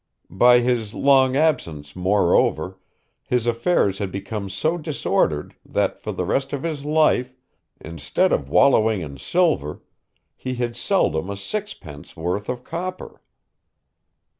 By his long absence, moreover, his affairs had become so disordered that, for the rest of his life, instead of wallowing in silver, he had seldom a sixpence worth of copper.